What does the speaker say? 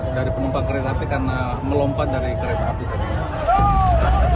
dari penumpang kereta api karena melompat dari kereta api tadi